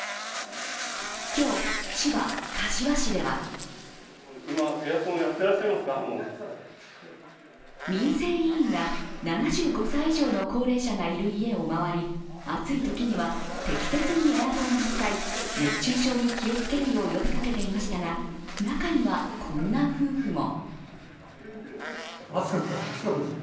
今日、千葉・柏市では民生委員が、７５歳以上の高齢者がいる家を回り暑いときには適切にエアコンを使い、熱中症に気をつけるよう呼びかけていましたが中にはこんな夫婦も。